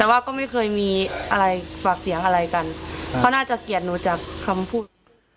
แต่ว่าก็ไม่เคยมีอะไรฝากเสียงอะไรกันเขาน่าจะเกลียดหนูจากคำพูด